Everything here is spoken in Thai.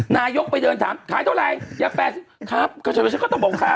นายกไปเดินถามขายเท่าไรยา๘๐ครับก็ต้องบอกครับ